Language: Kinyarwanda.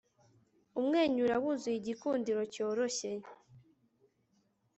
Umwenyura wuzuye igikundiro cyoroshye